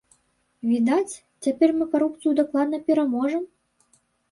Відаць, цяпер мы карупцыю дакладна пераможам?